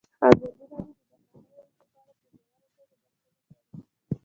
ازادي راډیو د بهرنۍ اړیکې په اړه په ژوره توګه بحثونه کړي.